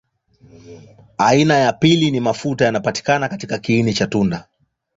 Aina ya pili ni mafuta yanapatikana katika kiini cha tunda.